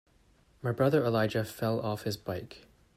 My brother Elijah fell off his bike.